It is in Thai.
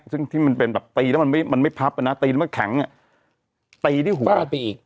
ซึ่งที่มันเป็นแบบตีแล้วมันไม่มันไม่พับนะตีแล้วมันแข็งอ่ะตีที่หัวป้าระตีอีก